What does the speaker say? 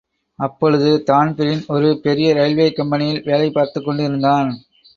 அப்பொழுது தான்பிரீன் ஒரு பெரிய ரெயில்வே கம்பனியில் வேலை பார்த்துக் கொண்டிருந்தான்.